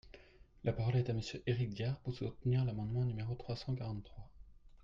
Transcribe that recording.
La parole est à Monsieur Éric Diard, pour soutenir l’amendement numéro trois cent quarante-trois.